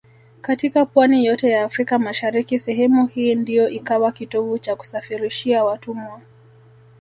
Katika pwani yote ya Afrika mashariki sehemu hii ndio ikawa kitovu cha kusafirishia watumwa